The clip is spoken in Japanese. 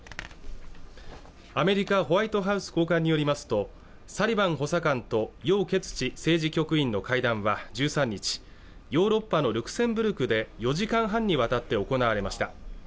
アメリカホワイトハウス高官によりますとサリバン補佐官と楊潔チ政治局員の会談は１３日ヨーロッパのルクセンブルクで４時間半にわたって行われました